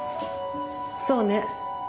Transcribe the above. そうね。